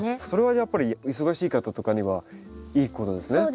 それはやっぱり忙しい方とかにはいいことですね。